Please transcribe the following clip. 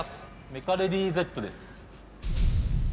「メカレディーＺ」です。